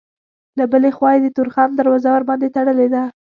له بلې خوا یې د تورخم دروازه ورباندې تړلې ده.